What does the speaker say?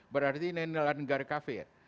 berarti ini adalah negara kafir